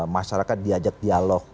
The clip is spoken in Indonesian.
masyarakat diajak dialog